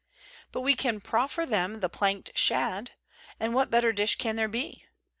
But we can proffer to them the planked shad "and what better dish can there be?"